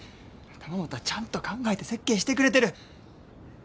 玉本はちゃんと考えて設計してくれてる。